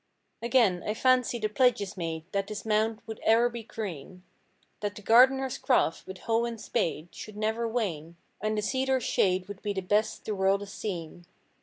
Again I fancy the pledges made That this mound would e'er be green; i8i That the gardener's craft, with hoe and spade Should never wane. And the cedar's shade Would be best the world has seen.